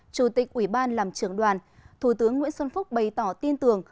chủ tịch ủy ban làm trưởng đoàn thủ tướng nguyễn xuân phúc bày tỏ tin tưởng